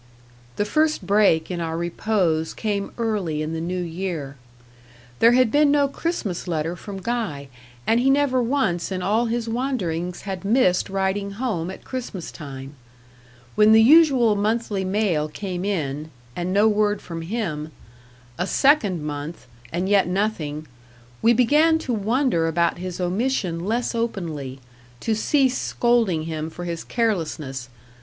The first break in our repose came early in the new year. There had been no Christmas letter from Guy, and he never once in all his wanderings had missed writing home at Christmas time. When the usual monthly mail came in, and no word from him a second month, and yet nothing, we began to wonder about his omission less openly to cease scolding him for his carelessness.